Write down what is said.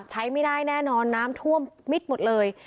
ใช้ไม่ได้แน่นอนน้ำท่วมมิดหมดเลย